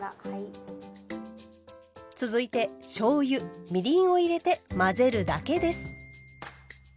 続いてしょうゆみりんを入れて混ぜるだけです。